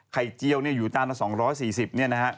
ไข่เจี้ยวอยู่จานละ๒๔๐นะครับ